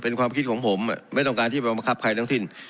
เป็นความคิดของผมไม่ต้องการที่ไปบังคับใครทั้งสิ้น